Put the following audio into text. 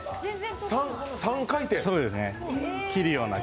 ３回転！